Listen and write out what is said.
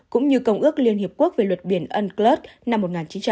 cũng như công ước liên hiệp quốc về luật biển unclus năm một nghìn chín trăm tám mươi hai